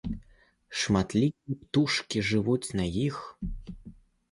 Шматлікія птушкі жывуць на іх.